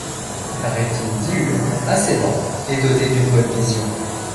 C'est un reptile diurne, assez lent, et doté d'une bonne vision.